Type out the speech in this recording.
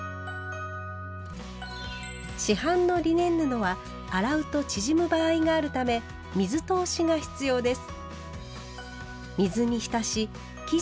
市販のリネン布は洗うと縮む場合があるため「水通し」が必要です。